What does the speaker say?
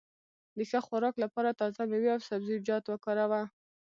د ښه خوراک لپاره تازه مېوې او سبزيجات وکاروه.